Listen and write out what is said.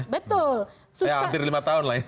waktu sudah lima tahun ya